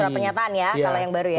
ada surat penyataan ya kalau yang baru ya